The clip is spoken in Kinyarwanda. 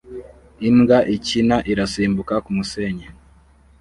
Imbwa ikina irasimbuka kumusenyi